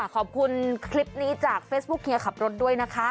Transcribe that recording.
ขอบคุณคลิปนี้จากเฟซบุ๊คเฮียขับรถด้วยนะคะ